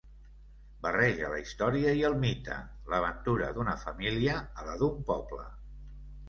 Barreja la història i el mite, l'aventura d'una família a la d'un poble.